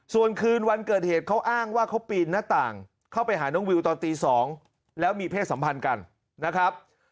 ส่วนคืนวันเกิดเหตุเขาอ้างว่าเขาปีนหน้าต่างเข้าไปหาน้องวิวตอนตี๒แล้วมีเพศสัมพันธ์กันนะครับ